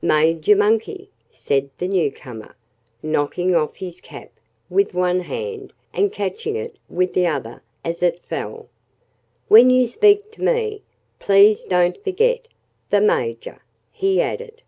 "Major Monkey," said the newcomer, knocking off his cap with one hand and catching it with the other as it fell. "When you speak to me, please don't forget the Major," he added.